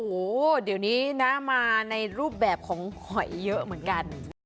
โอ้โหเดี๋ยวนี้นะมาในรูปแบบของหอยเยอะเหมือนกัน